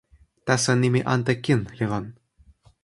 taso nimi ante kin li lon.